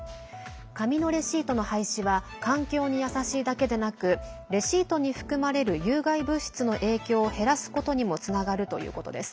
紙のレシートの廃止は環境に優しいだけでなくレシートに含まれる有害物質の影響を減らすことにもつながるということです。